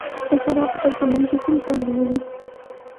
د فراه په پرچمن کې کوم کانونه دي؟